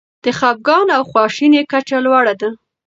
د خپګان او خواشینۍ کچه لوړه ده.